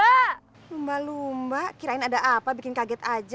mbak lumba lumba kirain ada apa bikin kaget aja